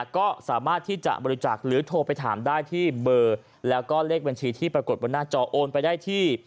ก็สามารถที่จะบริจาคหรือโทรไปถามได้ที่เบอร์แล้วก็เลขบัญชีที่ปรากฏบนหน้าจอโอนไปได้ที่